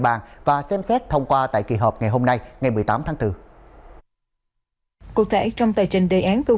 bàn và xem xét thông qua tại kỳ họp ngày hôm nay ngày một mươi tám tháng bốn cụ thể trong tờ trình đề án câu